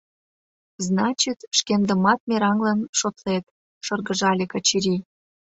Значит, шкендымат мераҥлан шотлет, — шыргыжале Качырий.